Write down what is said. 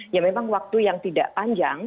ya memang waktu yang tidak panjang